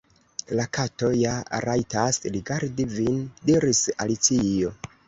"La Kato ja rajtas_ rigardi vin," diris Alicio. "